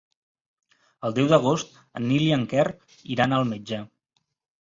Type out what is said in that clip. El deu d'agost en Nil i en Quer iran al metge.